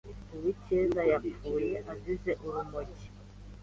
Uwicyeza yapfuye azize urumogi.